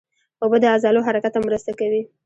اوبه د عضلو حرکت ته مرسته کوي